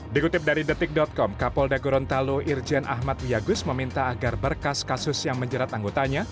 dikutip dari detik com kapolda gorontalo irjen ahmad wiyagus meminta agar berkas kasus yang menjerat anggotanya